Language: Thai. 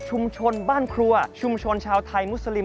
บ้านครัวชุมชนชาวไทยมุสลิม